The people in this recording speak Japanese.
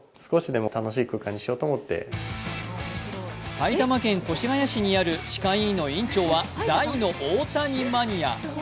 埼玉県越谷市にある歯科医院の院長は、大の大谷マニア。